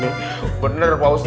masa akar jengkol saya sunat